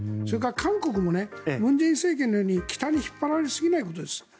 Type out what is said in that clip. それから韓国も文在寅政権のように北に引っ張られすぎないことです。